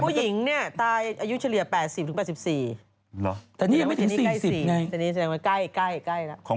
ผู้หญิงเนี่ยตายอายุเฉลี่ย๘๐ถึง๘๔